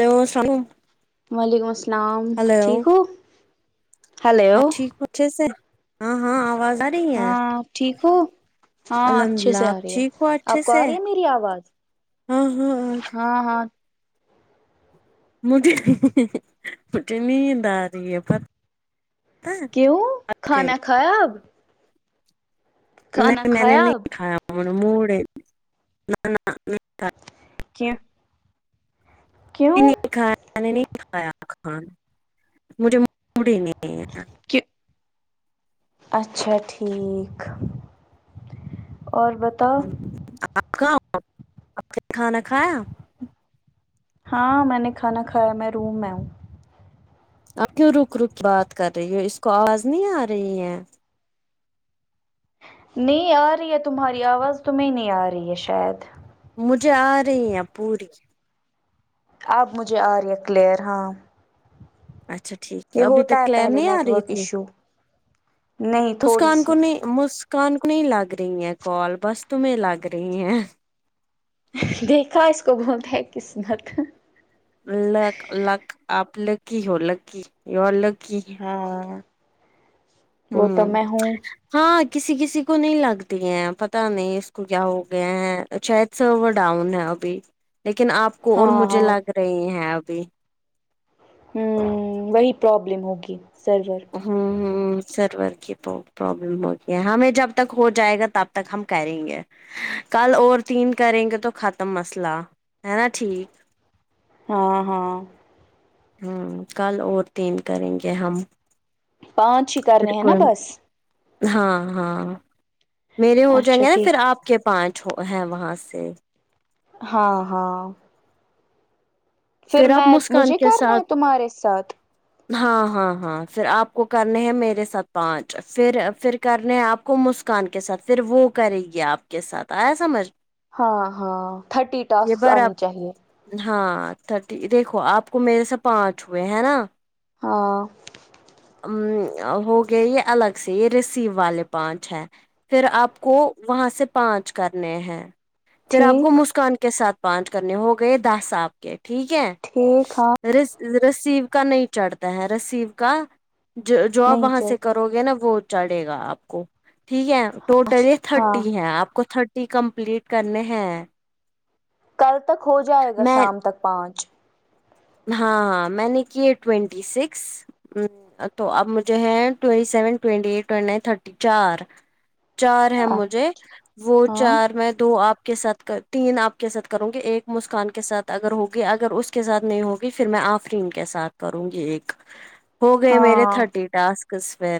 hello السلام علیکم وعلیکم السلام ہلو ٹھیک ہو آپ ہیلو ٹھیک ہو اچھے سے ہاں ہاں آواز آ رہی ہے ہاں ٹھیک ہو ہاں الحمد اچھے للہ سے آ آپ رہی ہے ٹھیک ہو اچھے آپ کو آ سے رہی ہے میری آواز ہاں ہاں آاں ہاں ہاں مجھے ھھھ مجھے نیند آرہی ہے پتا ہے کیوں کھانا کھایا کھانا نہیں میں نے کھایا نہیں اب کھایا موڑ ہے [unintelligible] کیوں کیوں انے کھایا میں نے نہیں کھایا کھانا مجھے موڈ ہی نہیں ہے اچھا ٹھیک اور بتاؤ آپ آپ نے کھانا کھایا ہاں میں نے کھانا کھایا میں روم میں ہوں اب کیوں رک رک بات کر رہی ہو اس کو آواز نہیں آ رہی ہے نہیں آ رہی ہے تمہاری آواز تمہیں نہیں آ رہی ہے شاید مجھے آ رہی ہیں پوری آپ مجھے آ رہی ہے کلیئر ہاں اچھا ٹھیک ہے یہ ابھی تک ہوتا کلر پہلے نہیں آ نیٹ رہی ورک تھی ایشو نہیں اس تھوڑی کان کو سی نے مسکان کو نہیں لگ رہی ہیں کال بس تمہیں لگ رہی ہیں دیکھا اس کو بولتیں ہے قسمت لک لک آپ لکی ہو لکی یور لکی ہے ہاں وہ تو ہمم میں ہوں ہاں کسی کسی کو نہیں لگتی ہیں پتا نہیں اس کو کیا ہو گیا ہیں شاید سرور ڈاؤن ہے ابھی لیکن آپ کو اور ہاں مجھے ہاں لگ رہی ہیں ابھی ہ وہی پرابلم ہوگی سرور ہ ہ سرور کی تو پرابلم ہوگی ہے ہمیں جب تک ہو جائے گا تب تک ہم کریں گے کل اور تین کریں گے تو ختم مسئلہ ہے نا ٹھیک ہاں ہاں ہوں کل اور تین کریں گے ہم پانچ ہی کرنے ہیں نا بالکل بس ہاں ہاں میرے ہو جائیں اچھا گے نا پھر ٹھیک آپ کے پانچ ہے وہاں سے ہاں ہاں پھر آپ میں مسکان مجھے کے کرنا ہے ساتھ تمہارے ساتھ ہاں ہاں ہاں پھر آپ کو کرنے ہیں میرے سات پانچ پھر پھر کرنے ہیں آپ کو مسکان کے ساتھ پھر وہ کرے گی آپ کے ساتھ آیا سمجھ ہاں ہاں تھرٹی یہ ٹاسک بار آنی آپ چاہیے ہاں تھرٹی دیکھو آپ کو میرے سے پانچ ہوئے ہے نا ہاں ا ہو گیا یہ الگ سے یہ ریسیو والے پانچ ہے پھر آپ کو وہاں سے پانچ کرنے ہیں پھر آپ کو ٹھیک مسکان کے ساتھ پانچ کرنے ہو گئے دس آپ کے ٹھیک ہے ٹھیک ہاں رسیو کا نہیں چڑھتا ہے رسیو کا جو جو نہیں وہاں چل سے کرو ہو گے نا وہ چڑھے گا آپ کو ٹھیک ہے ٹوٹلی اچھا ہاں تھرٹی ہے آپ کو تھرٹی کمپلیٹ کرنے ہیں کل تک ہو جائے گا میں شام تک پانچ ہاں میں نے کیے ٹوینٹی سکس تو اب مجھے ہے twenty seven twenty eight twenty nine thirty چار چار ہے ہاں مجھے وہ چار میں دو آپ کے ساتھ تین آپ کے ساتھ کرو گے ایک مسکان کے ساتھ اگر ہوگی اگر اس کے ساتھ نہیں ہوگی پھر میں آفرین کے ساتھ کروں گی ایک ہو گئے میرے ہاں تھرٹی ٹاسکس پھر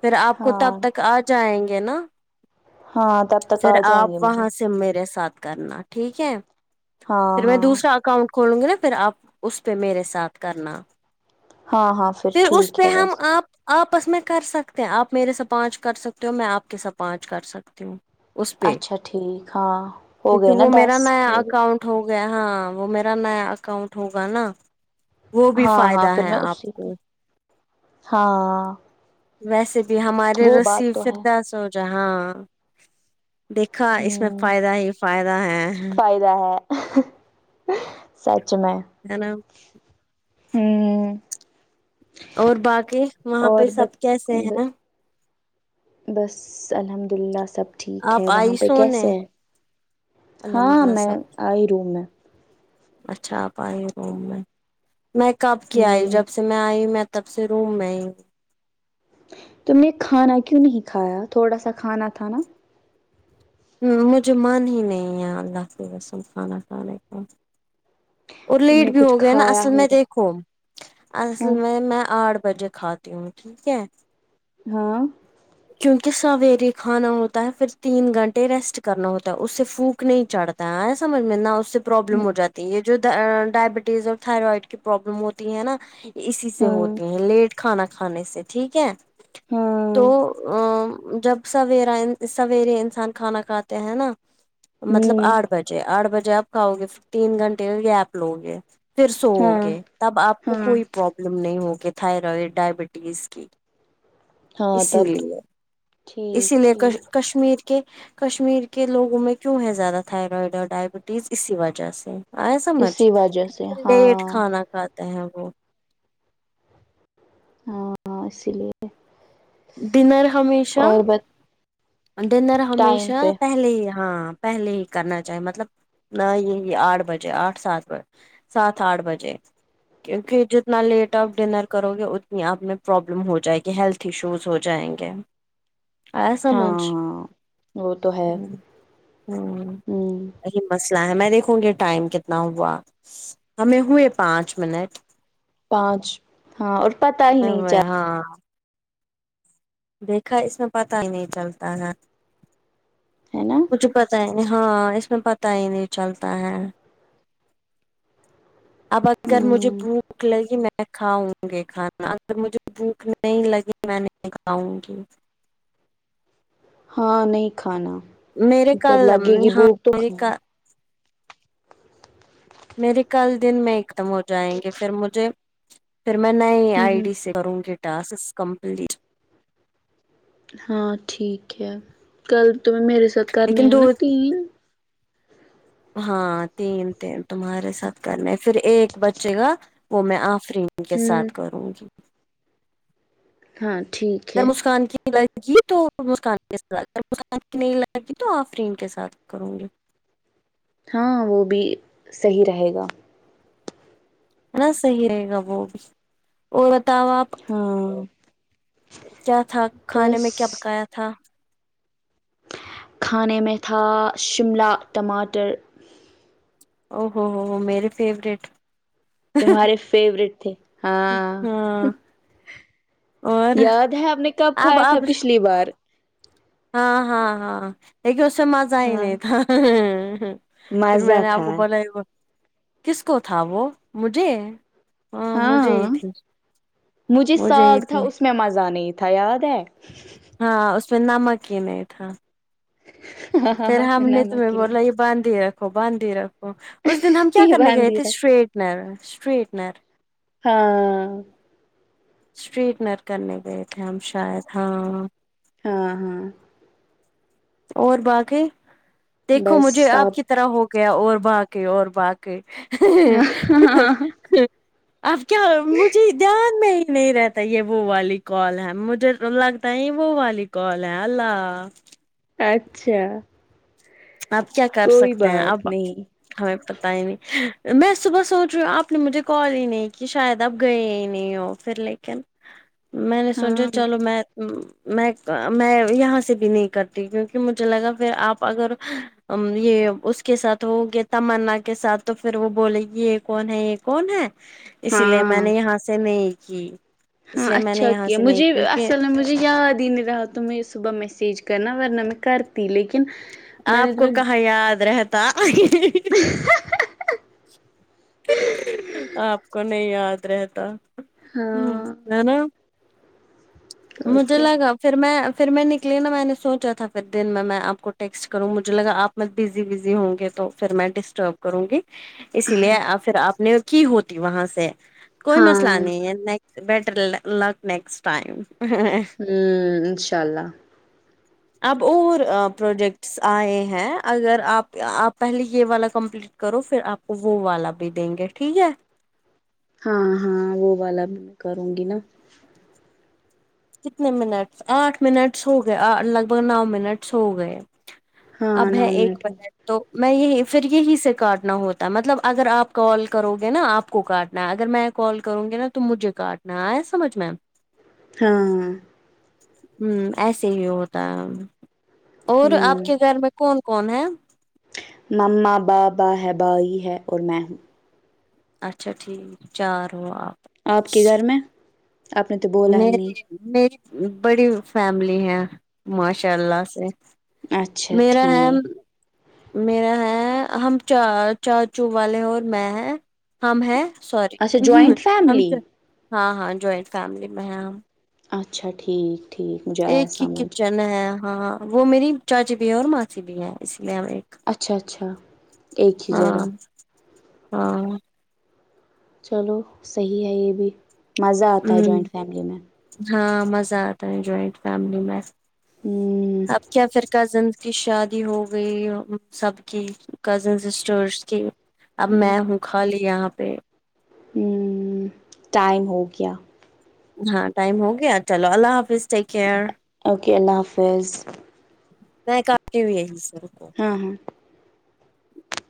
پھر آپ کو تب ہاں تک آ جائیں گے نا ہاں تب تک آ جائیں گے مجھے تم میرے ساتھ کرنا ٹھیک ہے ہاں پھر میں ہاں دوسرا اکاؤنٹ کھولوں گی نا پھر آپ اس پہ میرے ساتھ کرنا ہاں ہاں پھر اس ٹھیک پہ ہے ہم ویسے آپ آپس میں کر سکتے ہیں آپ میرے سے پانچ کر سکتے ہو میں آپ کے سات پانچ کر سکتی ہوں اس پہ اچھا ٹھیک ہاں ہو کیونکہ گئے نا وہ میرا دس نیا ہو گئے اکاؤنٹ ہو گیا ہاں وہ میرا نیا اکاؤنٹ ہوگا نا وہ بھی ہاں ہاں فائدہ پھر ہے میں آپ اسی پہ کو ہاں ویسے بھی ہمارے وہ بات رسی تو ہے فردوس جہاں دیکھا اس میں ہوں فائدہ ہی فائدہ ہے فائدہ ہے سچ میں ہیں نہ ہوں اور باقی وہاں پہ اور ب سب کیسے ہیں بس الحمد للہ سب ٹھیک ہے آپ وہاں آئی پہ سونے کیسے ہے الحمد ہاں للہ میں سب آئی رہی ہوں میں اچھا آپ آئی روم میں میں کب کی آئی ہ جب سے میں آئی میں تب سے روم میں ہی تم نے کھانا کیوں نہیں کھایا تھوڑا سا کھانا تھانا ہ مجھے من ہی نہیں ہے اللہ کے قسم کھانا کھانے کا اور تم لیٹ نے بھی کچھ ہو گیا نا کھایا اصل میں ہوگا دیکھو اصل ہاں میں میں آٹھ بجے کھات ٹھیک ہے ہاں کیونکہ سویرے کھانا ہوتا ہے پھر تین گھنٹے ریسٹ کرنا ہوتا ہے اس سے بھوک نہیں چڑھتا تا سمجھ میں نہ اس سے پرابلم ہو جاتی ہے یہ جو ڈائبٹیز اور تھائرائڈ کی پرابلم ہوتی ہے نا اسی سے ہاں ہوتے ہیں لیٹ کھانا کھانے سے ٹھیک ہے تو ہاں آں جب سویرا سویرے انسان کھانا کھاتے ہیں نا مطلب ہوں آٹھ بجے آٹھ بجے آپ کھاؤ گے تین گھنٹے ہوں گے آپ گیپ لو گے پھر سوؤ ہاں گے تب آپ کو ہاں کوئی پرابلم نہیں ہوگی تھائرائڈ ڈائبٹیز کی ہاں اسی تب تو لیے اسی ٹھیک لیے کش ٹھیک کشمیر کی کہ کشمیر کے لوگوں میں کیوں ہے زیادہ تھائرائڈ اور ڈائبٹیز اسی وجہ سے آیا سمجھ اسی وجہ سے کیونکہ لیٹ ہاں کھانا کھاتا ہیں وہ ہاں اسی لیے ڈنر ہمیشہ اور ب ڈنر ٹائم ہمیشہ پہ پہلے ہی ہاں پہلے ہی کرنا چاہیے مطلب نہ یہ آٹھ بجے آٹھ سات بج سات آٹھ بجے کیونکہ جتنا لیٹ آپ ڈنر کرو گے اتنی آپ میں پرابلم ہو جائے گی ہیلتھ ایشوز ہو جائیں گے ایا ہاں سمجھ ہاں وہ تو ہے ہ ہوں ہوں یہی مسئلہ ہے میں دیکھوں گی ٹائم کتنا ہوا ہمیں ہوئے پانچ منٹ پانچ ہاں اور پتا ہی ہمیں نہیں ہوئے چل ہاں دیکھا اس میں پتا ہی نہیں چلتا ہے ہے نا مجھے پتا ہی نہیں ہاں اس میں پتا ہی نہیں چلتا ہے اب اگر مجھے ہوں بھوک لگی میں کھاؤں گی کھانا اگر مجھے بھوک نہیں لگی میں نہی کھاؤنگی ہاں نہیں کھانا میرے جب کل لگے گی ہاں بھوک تو میرے کھانا کا میرے کل دن میں ایک دم ہو جائیں گے پھر مجھے پھر میں نئی ہ آئی ہ ڈی سے کروں گی ٹاسک کمپلیٹ ہاں ٹھیک ہے کل تم میرے ساتھ کرنے لیکن ہیں دو نا تین ہاں تین تین تمہارے ساتھ کرنے پھر ایک بچے گا وہ میں آفرین کے ہ ساتھ کروں گی ہاں ٹھیک میں ہے مسکان کی لگے گی تو مسکن کے ساتھ اگر مسکن نہیں لگے گی تو آفرین کے ساتھ کروں گی ہاں وہ بھی صحیح رہے گا ہے نا صحیح رہے گا وہ اور بتاؤ آپ ہاں کیا تھا کھانے بس میں کیا پکایا تھا کھانے میں تھا شملہ ٹماٹر او ہو ہو ہو میرے فیورٹ تمہارے فیورورٹ تھے ہاں ہاں اور یاد ہے آپ نے کب اب کھایا تھا اب پچھلی بار ہاں ہاں ہاں لیکن اس میں مزا ہی ہاں نہیں تھا پھر میں مزہ نے آپ تھا کو بولا وہ کس کو تھا وہ مجھے مجھے ہاں ہی تھی مجھے ساگ ہی تھا تھی اس میں مزہ نہیں تھا یاد ہے ہاں اس میں نمک ہی نہیں تھا پھر ہم نے تمہیں نمک ہی بولا یہ نہیں بند ہی رکھو بند ہی رکھو اس دن ہم کیا کرنے گئے باندھی تھے رکھ اسٹریٹنر اسٹریٹنر ہاں اسٹریٹنر کرنے گئے تھے ہم شاید ہاں ہاں ہاں اور باقی دیکھو مجھے آپ کی طرح ہو گیا اور باقی اور باقی ھھھ اب کیا مجھے دھیان میں ہی نہیں رہتا یہ وہ والی کال ہے مجھے تو لگتا ہے یہ وہ والی کال ہے اللہ اچھا اپ کیا کر کوئی سکتے ہیں بات اب نہیں ہمیں پتا ہی نہیں میں صبح سوچ رہی ہوں آپ نے مجھے کال ہی نہیں کہ شاید آپ گئے ہی نہیں ہو پھر لیکن میں نے سوچا ہاں چلو میں م میں میں یہاں سے بھی نہیں کرتی کیونکہ مجھے لگا پھر آپ اگر ام یہ اس کے ساتھ ہوگے تمنا کے ساتھ تو پھر وہ بولے گی یہ کون ہے یہ کون ہے اسی لیے ہاں میں نے یہاں سے نہیں کی اس ہاں لیے میں نے اچھا یہاں کیا سے نہیں مجھے کیونکہ اصل میں مجھے یاد ہی نہیں رہا تم صبح میسیج کر نا تو میں کرتی لیکن میں نے آپ کو تمہیں کہاں یاد رہتا آپ کو نہیں یاد رہتا ہاں ہے نا اور مجھے کیا لگا پھر میں پھر میں نکلی نا میں نے سوچا تھا پھر دن میں آپ کو ٹیکسٹ کروں پھر مجھے لگا آپ میں بزی بزی ہوں گے تو پھر میں ڈسٹرب کروں گی اسی لیے پھر آپ نے کی ہوتی وہاں سے کوئی ہاں مسئلہ ہوں نہیں ہے بیٹر لک نیکسٹ ٹائم ہوں انشاء اللہ اب اور پروجیکٹس آئے ہیں اگر آپ آپ پہلے یہ والا کمپلیٹ کرو پھر آپ کو وہ والا بھی دیں گے ٹھیک ہے ہاں ہاں وہ والا بھی میں کروں گی نا کتنے منٹس آٹھ منٹس ہو گئے لگ بھگ نو منٹس ہو گئے ہاں اب ہے ایک نامنیٹ بہن تو میں یہی پھر یہی سے کاٹنا ہوتا ہے مطلب اگر آپ کال کرو گے نا آپ کو کاٹ نہ اگر میں کال کروں گی نا تم مجھے کاٹنا آیا سمجھ میں ہاں ہ ایسے ہی ہوتا ہے اور آپ ہوں کے گھر میں کون کون ہے مماں بابا ہے بھائی ہے اور میں ہوں اچھا ٹھیک چار وہ آپ آپ کے گھر میں آپ نے تو ب میری میری بڑی فیملی ہیں ماشاء اللہ سے اچھا میرا ہے ٹھیک میرا ہے ہم چا چاچو والے ہیں اور میں ہے ہم ہیں سوری اچھا جوائنٹ ہم فیملی ہاں ہاں جوائنٹ فیملی میں ہیں ہم اچھا ٹھیک ٹھیک مجھے آیا ایک ہی سمجھ کچن ہے ہاں وہ میری چاچی بھی ہے اور ماسی بھی ہے اسی لیے ہم ایک اچھا اچھا ایک ہی ہاں جگہ ہاں چلو صحیح ہے یہ بھی مزہ آتا ہے ہوں جوائنٹ فیملی میں ہاں مزہ آتا ہے جوائنٹ فیملی میں اب کیا پھر کزنس کی شادی ہو گئی سب کی کزن سسٹرس کی اب میں ہوں خالی یہاں پہ ہو ٹائم ہو گیا ہاں ٹائم ہو گیا چلو اللہ حافظ ٹیک کیئر اوکے اللہ حافظ نہیں کاف بھی ہے سر ہاں ہاں